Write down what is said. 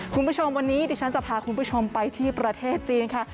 คุณผู้ชมวันนี้ดิฉันจะพาคุณผู้ชมไปที่ประเทศจีนค่ะ